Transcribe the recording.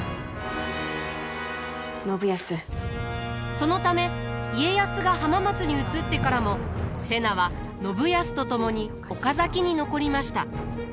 そのため家康が浜松に移ってからも瀬名は信康と共に岡崎に残りました。